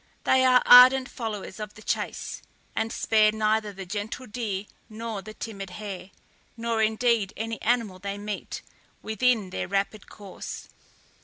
They are ardent followers of the chase, and spare neither the gentle deer nor the timid hare, nor indeed any animal they meet with in their rapid course.